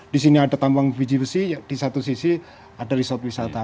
di sini ada tambang biji besi di satu sisi ada resort wisata